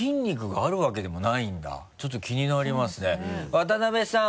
渡辺さん